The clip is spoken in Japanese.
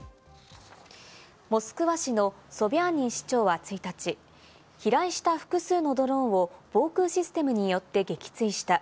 モスクワ市のソビャーニン市長は１日、飛来した複数のドローンを防空システムによって撃墜した。